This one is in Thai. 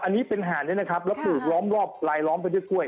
อันนี้เป็นหาดด้วยนะครับแล้วปลูกล้อมรอบลายล้อมไปด้วยกล้วย